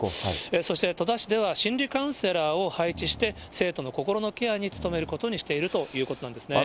そして、戸田市では心理カウンセラーを配置して、生徒の心のケアに努めることにしているということなんですね。